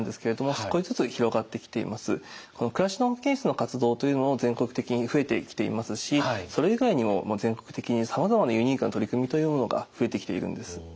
この「暮らしの保健室」の活動というのも全国的に増えてきていますしそれ以外にも全国的にさまざまなユニークな取り組みというものが増えてきているんです。